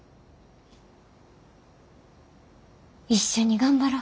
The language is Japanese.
一緒に頑張ろう。